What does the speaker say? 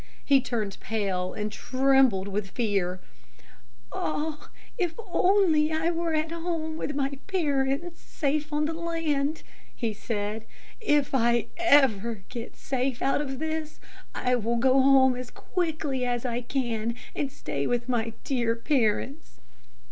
He turned pale and trembled with fear. "Ah, if I were only at home with my parents, safe on the land," he said. "If I ever get safe out of this, I will go home as quickly as I can and stay with my dear parents!"